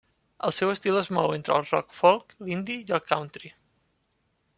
El seu estil es mou entre el rock folk, l'indie i el country.